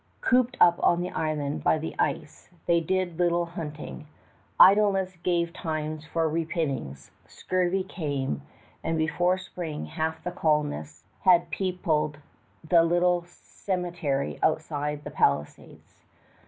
Cooped up on the island by the ice, they did little hunting. Idleness gives time for repinings. Scurvy came, and before spring half the colonists had peopled the little cemetery outside the palisades.